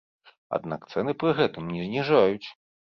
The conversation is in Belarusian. Аднак цэны пры гэтым не зніжаюць.